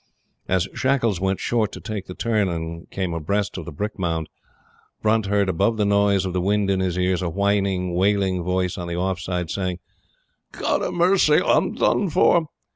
As Shackles went short to take the turn and came abreast of the brick mound, Brunt heard, above the noise of the wind in his ears, a whining, wailing voice on the offside, saying: "God ha' mercy, I'm done for!"